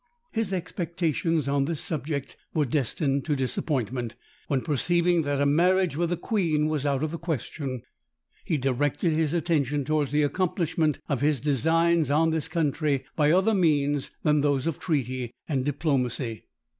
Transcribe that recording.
His expectations on this subject were destined to disappointment; when perceiving that a marriage with the queen was out of the question, he directed his attention towards the accomplishment of his designs on this country by other means than those of treaty and diplomacy.